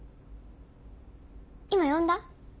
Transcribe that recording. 今呼んだ？